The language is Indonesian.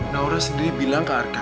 naura sendiri bilang ke arka